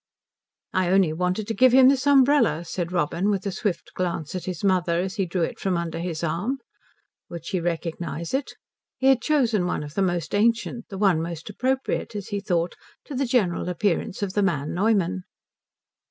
"I only wanted to give him this umbrella," said Robin, with a swift glance at his mother as he drew it from under his arm. Would she recognize it? He had chosen one of the most ancient; the one most appropriate, as he thought, to the general appearance of the man Neumann.